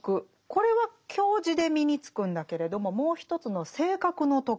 これは教示で身につくんだけれどももう一つの「性格の徳」